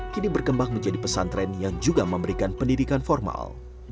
kini berkembang menjadi pesantren yang juga memberikan pendidikan formal